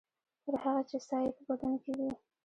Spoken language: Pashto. تر هغې چې ساه یې په بدن کې وي.